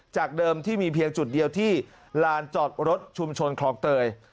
จากเดิมที่มีเพียงจุดเดียวที่ลานจอดรถชุมชนคลองเตย